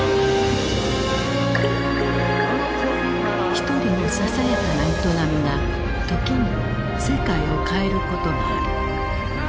一人のささやかな営みが時に世界を変えることがある。